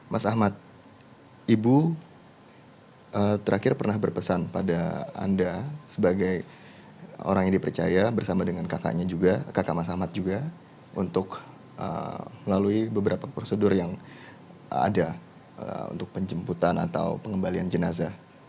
mas ahmad ibu terakhir pernah berpesan pada anda sebagai orang yang dipercaya bersama dengan kakaknya juga kakak mas ahmad juga untuk melalui beberapa prosedur yang ada untuk penjemputan atau pengembalian jenazah